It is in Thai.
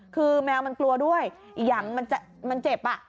คือแมวมันกลัวด้วยยังมันเจ็บ